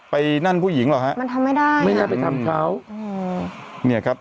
นั่นผู้หญิงหรอกฮะมันทำไม่ได้ไม่น่าไปทำเขาอืมเนี่ยครับ